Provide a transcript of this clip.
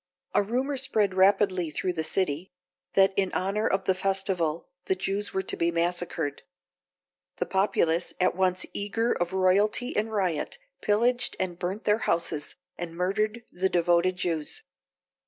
A rumour spread rapidly through the city, that in honour of the festival the Jews were to be massacred. The populace, at once eager of royalty and riot, pillaged and burnt their houses, and murdered the devoted Jews.